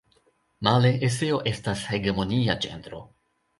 Male eseo estas hegemonia ĝenro.